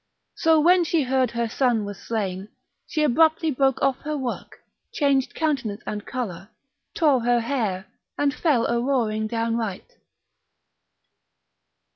So when she heard her son was slain, she abruptly broke off her work, changed countenance and colour, tore her hair, and fell a roaring downright.